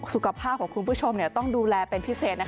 สุขภาพของคุณผู้ชมต้องดูแลเป็นพิเศษ